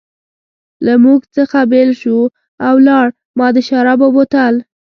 له موږ څخه بېل شو او ولاړ، ما د شرابو بوتل.